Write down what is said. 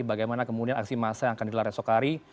bagaimana kemudian aksi massa yang akan dilar esok hari